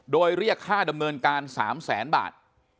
โดยเรียกค่าดำเนินการ๓แสนบาท